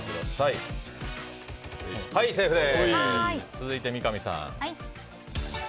続いて三上さん。